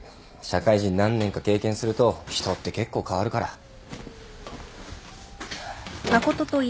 社会人何年か経験すると人って結構変わるから。